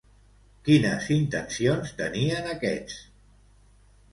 Quines intencions tenien aquests?